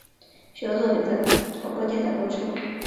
许多作品在广播电台播出。